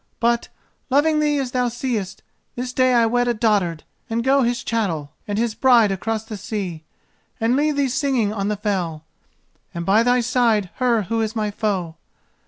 But, loving thee as thou seest, this day I wed a dotard, and go his chattel and his bride across the sea, and leave thee singing on the fell, and by thy side her who is my foe.